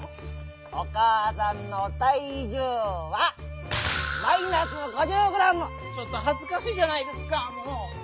おかあさんのたいじゅうはちょっとはずかしいじゃないですかもう。